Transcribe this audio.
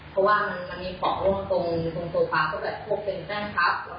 เพราะว่ามันมีขอโรงโครงโซฟาเขาแบบโผ่นเป็นแจ้งทรัพย์